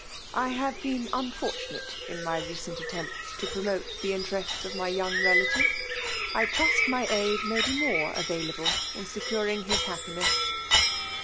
I have been unfortunate in my recent attempts to promote the interests of my young relative; I trust my aid may be more available in se curing his happiness."